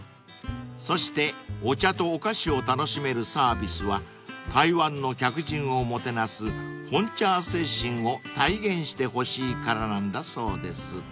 ［そしてお茶とお菓子を楽しめるサービスは台湾の客人をもてなす奉茶精神を体現してほしいからなんだそうです］